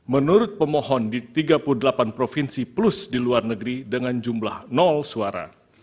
menurut pemohon di tiga puluh delapan provinsi plus di luar negeri dengan jumlah suara